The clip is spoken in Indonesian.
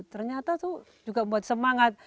ternyata tuh juga buat semangat